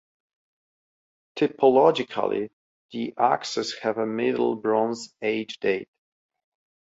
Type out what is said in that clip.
Typologically, the axes have a Middle Bronze Age date.